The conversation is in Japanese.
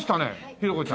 浩子ちゃん。